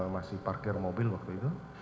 masih parkir mobil waktu itu